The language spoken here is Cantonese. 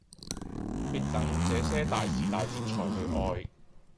別等這些大時大節才去愛